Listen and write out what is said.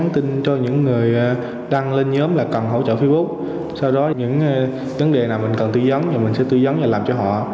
tăng lên nhóm là cần hỗ trợ facebook sau đó những vấn đề nào mình cần tư dấn thì mình sẽ tư dấn và làm cho họ